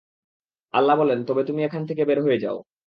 আল্লাহ বললেন, তবে তুমি এখান থেকে বের হয়ে যাও।